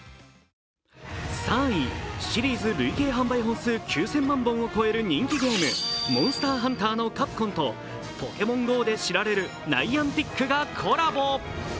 ３位、シリーズ累計販売本数９０００万本を超える人気ゲーム、「モンスターハンター」のカプコンと、「ポケモンＧＯ」で知られるＮｉａｎｔｉｃがコラボ。